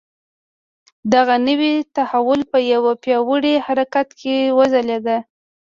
دغه نوی تحول په یوه پیاوړي حرکت کې وځلېد.